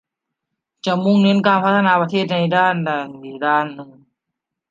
จะมุ่งเน้นการพัฒนาประเทศในด้านต่างต่าง